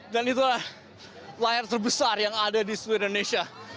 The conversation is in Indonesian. dan itulah layar terbesar yang ada di seluruh indonesia